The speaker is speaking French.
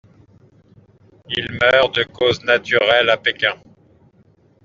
Il meurt de causes naturelles à Pékin.